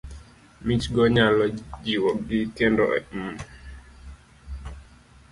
Michgo nyalo jiwogi, kendo m